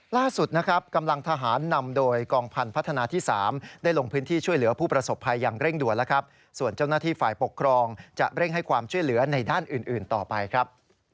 ล่าสุดนะครับกำลังทหารนำโดยกองพันธนาที่๓ได้ลงพื้นที่ช่วยเหลือผู้ประสบภัยอย่างเร่งด่วนแล้วครับส่วนเจ้าหน้าที่ฝ่ายปกครองจะเร่งให้ความช่วยเหลือในด้านอื่นต่อไปครับ